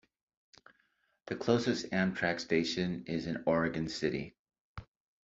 The closest Amtrak station is in Oregon City.